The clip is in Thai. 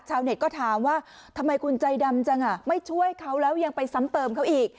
เน็ตก็ถามว่าทำไมคุณใจดำจังไม่ช่วยเขาแล้วยังไปซ้ำเติมเขาอีก